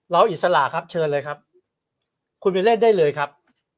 อิสระครับเชิญเลยครับคุณไปเล่นได้เลยครับ